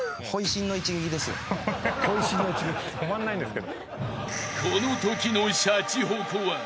止まんないんですけど。